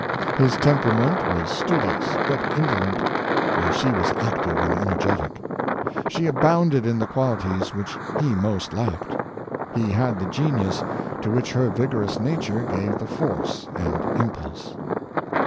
His temperament was studious but indolent, while she was active and energetic. She abounded in the qualities which he most lacked. He had the genius, to which her vigorous nature gave the force and impulse.